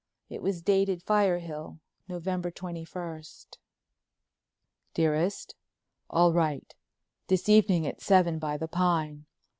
It was dated Firehill, Nov. 21st. " Dearest: "All right. This evening at seven by the pine.